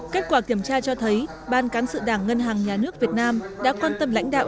kết quả kiểm tra cho thấy ban cán sự đảng ngân hàng nhà nước việt nam đã quan tâm lãnh đạo